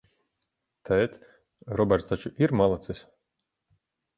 Tēt, Roberts taču ir malacis?